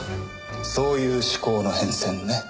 そういう思考の変遷ね。